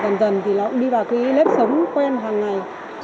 dần dần thì nó cũng đi vào cái lớp sống quen hàng ngày